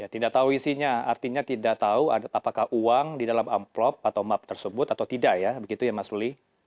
tidak tahu isinya artinya tidak tahu apakah uang di dalam amplop atau map tersebut atau tidak ya begitu ya mas ruli